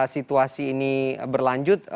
situasi ini berlanjut